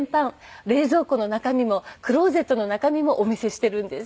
冷蔵庫の中身もクローゼットの中身もお見せしているんです。